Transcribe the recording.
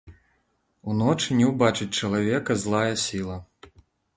Уночы не ўбачыць чалавека злая сіла.